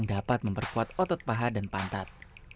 bisa juga memperkuat otot paha dan pantat